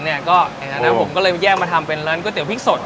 หลังจากนั้นผมก็เลยแยกมาทำเป็นร้านก๋วเตี๋พริกสด